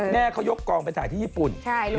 แม่เขายกกองไปถ่ายที่ญี่ปุ่น